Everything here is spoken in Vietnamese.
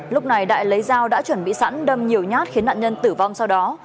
lúc này đại lấy dao đã chuẩn bị sẵn đâm nhiều nhát khiến nạn nhân tử vong sau đó